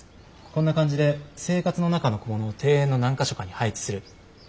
こんな感じで生活の中の小物を庭園の何か所かに配置する。